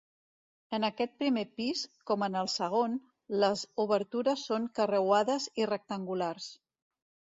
En aquest primer pis, com en el segon, les obertures són carreuades i rectangulars.